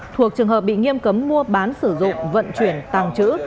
thuộc trường hợp bị nghiêm cấm mua bán sử dụng vận chuyển tàng trữ